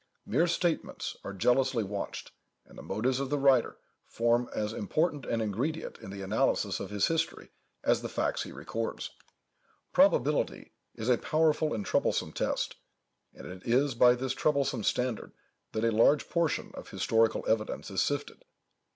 Mere statements are jealously watched, and the motives of the writer form as important an ingredient in the analysis of his history, as the facts he records. Probability is a powerful and troublesome test; and it is by this troublesome standard that a large portion of historical evidence is sifted.